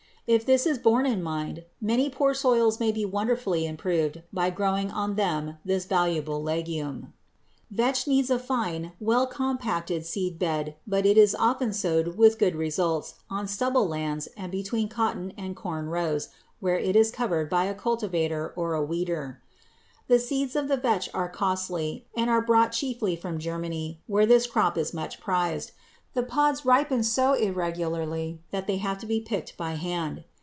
If this is borne in mind, many poor soils may be wonderfully improved by growing on them this valuable legume. [Illustration: FIG. 235. VETCH] Vetch needs a fine well compacted seed bed, but it is often sowed with good results on stubble lands and between cotton and corn rows, where it is covered by a cultivator or a weeder. The seeds of the vetch are costly and are brought chiefly from Germany, where this crop is much prized. The pods ripen so irregularly that they have to be picked by hand.